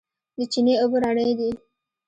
د چينې اوبه رڼې دي.